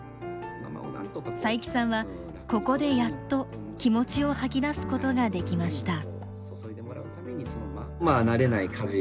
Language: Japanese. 佐伯さんはここでやっと気持ちを吐き出すことができました。